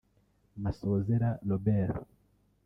Masozera Robert